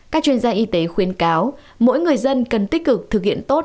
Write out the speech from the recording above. các chuyên gia y tế khuyên cáo mỗi người dân cần tích cực thực hiện tốt